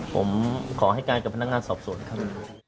ผมขอให้การกับพนักงานสอบสวนครับ